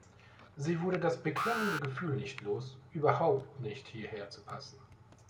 Sie wurde das beklemmende Gefühl nicht los, überhaupt nicht hierher zu passen.